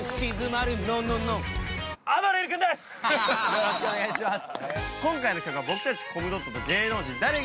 よろしくお願いします。